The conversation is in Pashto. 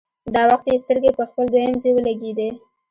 دا وخت يې سترګې په خپل دويم زوی ولګېدې.